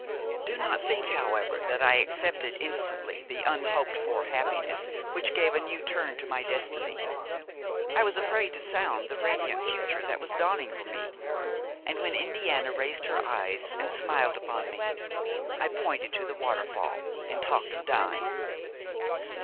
"Do not think, however, that I accepted instantly the unhoped for happiness which gave a new turn to my destiny. I was afraid to sound the radiant future that was dawning for me; and when Indiana raised her eyes and smiled upon me, I pointed to the waterfall and talked of dying.